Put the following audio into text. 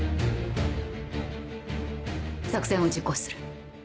作戦を実行する。